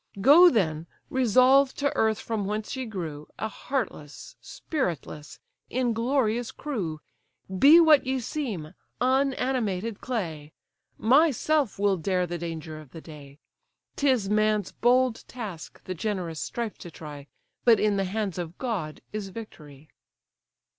Go then! resolve to earth, from whence ye grew, A heartless, spiritless, inglorious crew! Be what ye seem, unanimated clay, Myself will dare the danger of the day; 'Tis man's bold task the generous strife to try, But in the hands of God is victory."